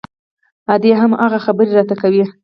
ادې هم هماغه خبرې راته کوي.